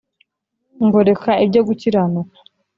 ngoreka ibyo gukiranuka